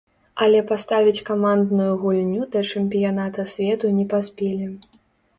Але паставіць камандную гульню да чэмпіяната свету не паспелі.